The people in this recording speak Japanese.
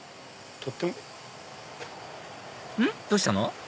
どうしたの？